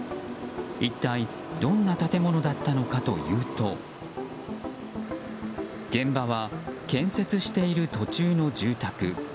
一体どんな建物だったのかいうと現場は建設している途中の住宅。